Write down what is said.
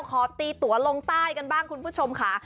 ขอตีตัวลงใต้กันบ้างคุณผู้ชมค่ะ